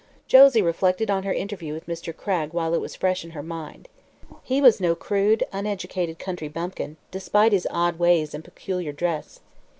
Josie reflected on her interview with Mr. Cragg while it was fresh in her mind. He was no crude, uneducated country bumpkin, despite his odd ways and peculiar dress.